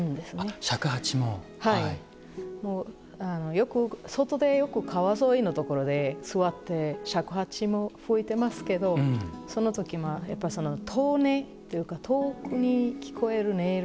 よく外でよく川沿いのところで座って尺八も吹いてますけどその時もやっぱその遠音っていうか遠くに聞こえる音色。